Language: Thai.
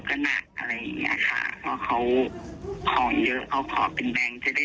ก็หนักอะไรอย่างเงี้ยค่ะเพราะเขาของเยอะเขาขอเป็นแบงค์จะได้